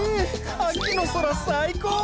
秋の空最高！